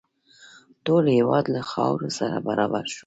ټول هېواد له خاورو سره برابر شو.